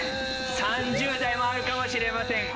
３０代もあるかもしれません。